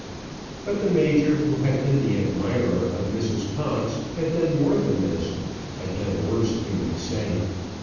But the major, who had been the admirer of Mrs. Cox, had done more than this had done worse, we may say.